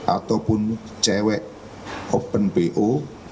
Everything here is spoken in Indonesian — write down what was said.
ataupun cewek open bo